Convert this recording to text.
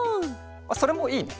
それもいいね！